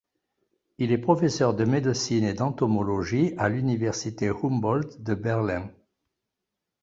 Il est professeur de médecine et d’entomologie à l’université Humboldt de Berlin.